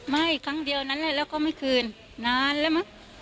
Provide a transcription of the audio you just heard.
ไม่ครั้งเดียวนั้นแหละแล้วก็ไม่คืนนานแล้วมั้ง